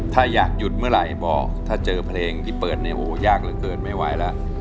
ถ้าอยากหยุดเมื่อไหร่บอกถ้าเจอเพลงที่เปิดเนี่ยโอ้โหยากเหลือเกินไม่ไหวแล้ว